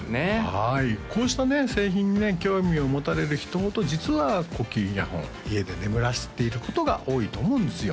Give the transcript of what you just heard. はいこうしたね製品にね興味を持たれる人ほど実は高級イヤホン家で眠らせていることが多いと思うんですよ